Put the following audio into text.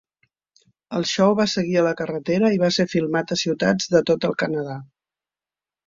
El show va seguir a la carretera i va ser filmat a ciutats de tot el Canadà.